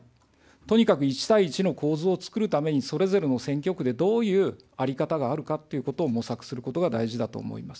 とにかく１対１の構図をつくるために、それぞれの選挙区でどういう在り方があるかっていうことを模索することが大事だと思います。